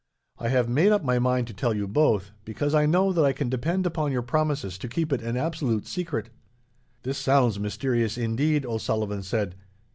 I have made up my mind to tell you both, because I know that I can depend upon your promises to keep it an absolute secret." "This sounds mysterious indeed," O'Sullivan said.